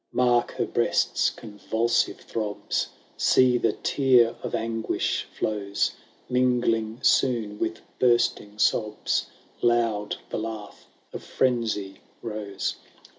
Mark her breast's convulsive throbs ! See, the tear of anguish flows !— Mingling soon with bursting sobs, Loud the laugh of frenzy rose.